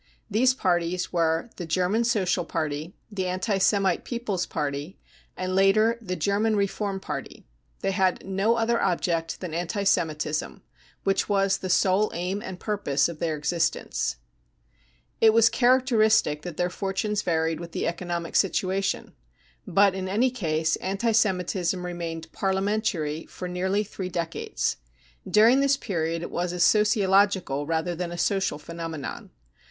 J These parties were the 44 German Social Party," the 44 Anti ) Semite People's Party," and later the 44 German Reform \# Party" : they had no other object than anti Semitism, which was the sole aim and purpose of their existence. It 232 BROWN BOOK OF THE HITLER TERROR was characteristic that their fortunes varied with the economic situation ; but in any case anti Semitism remained " parliamentary 55 for nearly three decades. During this period it was a sociological rather than a social phenomenon.